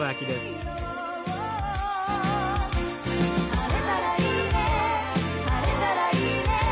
「晴れたらいいね晴れたらいいね」